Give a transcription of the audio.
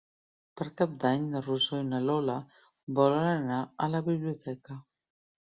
Per Cap d'Any na Rosó i na Lola volen anar a la biblioteca.